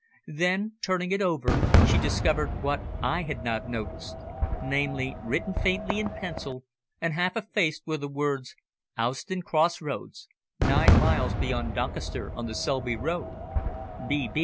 Then, turning it over, she discovered what I had not noticed, namely, written faintly in pencil and half effaced were the words, "Owston crossroads, 9 miles beyond Doncaster on the Selby Road.